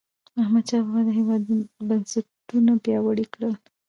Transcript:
احمدشاه بابا د هیواد بنسټونه پیاوړي کړل.